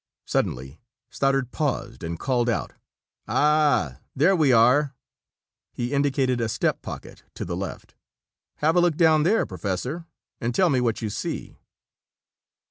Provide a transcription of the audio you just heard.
Suddenly Stoddard paused and called out: "Ah there we are!" He indicated a steep pocket to the left. "Have a look down there, Professor, and tell me what you see."